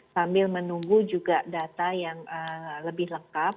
sambil menunggu juga data yang lebih lengkap